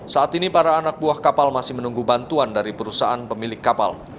saat ini para anak buah kapal masih menunggu bantuan dari perusahaan pemilik kapal